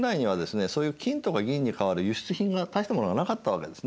そういう金とか銀に代わる輸出品が大したものがなかったわけですね。